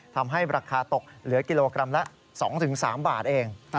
ทำให้ราคาตกเหลือกิโลกรัมละ๒๓บาทเอง